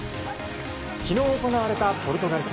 昨日行われたポルトガル戦。